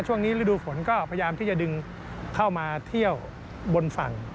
ฤดูฝนก็พยายามที่จะดึงเข้ามาเที่ยวบนฝั่ง